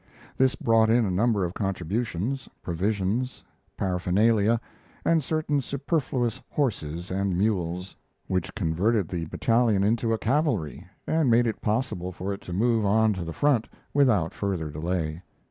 This brought in a number of contributions, provisions, paraphernalia, and certain superfluous horses and mules, which converted the battalion into a cavalry, and made it possible for it to move on to the front without further delay.